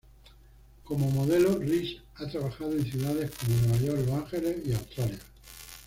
Como modelo Rhys ha trabajado en ciudades como Nueva York, Los Ángeles y Australia.